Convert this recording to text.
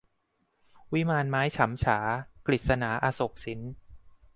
วิมานไม้ฉำฉา - กฤษณา อโศกสิน